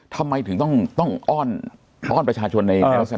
ทำไมถึงต้องอ้อนประชาชนในรัฐศนา